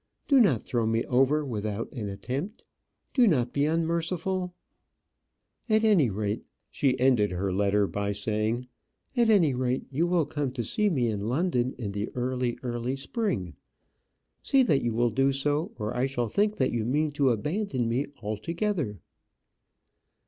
Do not throw me over without an attempt. Do not be unmerciful. At any rate," she ended her letter by saying "At any rate you will come to me in London in the early, early spring. Say that you will do so, or I shall think that you mean to abandon me altogether!"